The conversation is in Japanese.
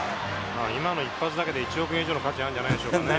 今の一発だけで１億円以上の価値があるんじゃないでしょうかね。